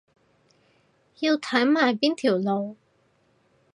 要睇埋邊條路